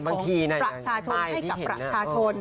ประชาชนให้กับประชาชน